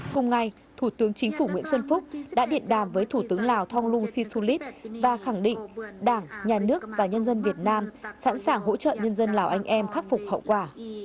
cùng ngày thủ tướng chính phủ nguyễn xuân phúc đã điện đàm với thủ tướng lào thỏng luông si sô lít và khẳng định đảng nhà nước và nhân dân việt nam sẵn sàng hỗ trợ nhân dân lào anh em khắc phục hậu quả